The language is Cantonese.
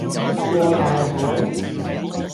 過大海